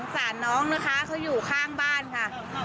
สารน้องนะคะเขาอยู่ข้างบ้านค่ะ